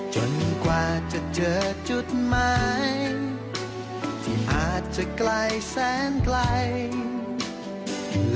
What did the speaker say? จนกว่าจะเจอจุดใหม่ที่อาจจะไกลแสนไกล